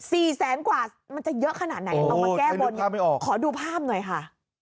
แสนกว่ามันจะเยอะขนาดไหนเอามาแก้บนขอดูภาพหน่อยค่ะ